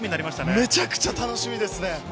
めちゃくちゃ楽しみですね。